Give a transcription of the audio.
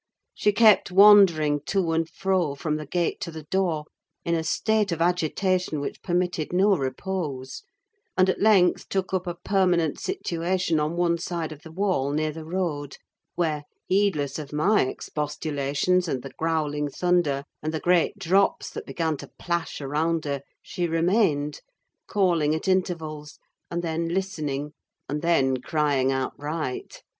She kept wandering to and fro, from the gate to the door, in a state of agitation which permitted no repose; and at length took up a permanent situation on one side of the wall, near the road: where, heedless of my expostulations and the growling thunder, and the great drops that began to plash around her, she remained, calling at intervals, and then listening, and then crying outright.